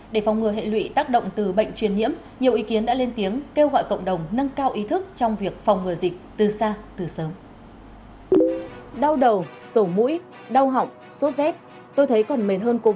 để phòng ngừa hệ lụy tác động từ bệnh truyền nhiễm nhiều ý kiến đã lên tiếng kêu gọi cộng đồng nâng cao ý thức trong việc phòng ngừa dịch từ xa từ sớm